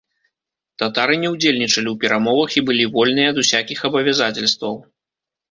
Татары не ўдзельнічалі ў перамовах і былі вольныя ад усякіх абавязацельстваў.